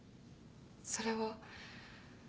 それは。